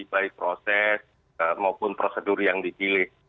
baik proses maupun prosedur yang dipilih